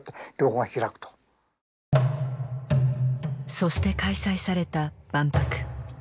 そして開催された万博。